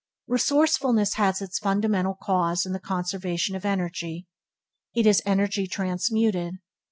Resourcefulness has its fundamental cause in the conservation of energy. It is energy transmuted.